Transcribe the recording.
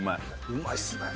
うまいですね。